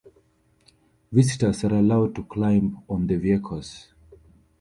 Visitors are allowed to climb on the vehicles.